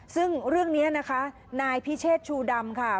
ซึ่งเรื่องนี้นะคะนายพิเชษชูดำค่ะ